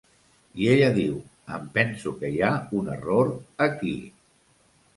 I ella diu: "Em penso que hi ha un error aquí".